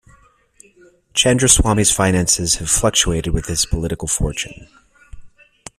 Chandraswami's finances have fluctuated with his political fortune.